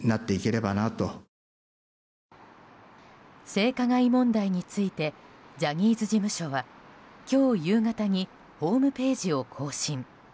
性加害問題についてジャニーズ事務所は今日夕方にホームページを更新。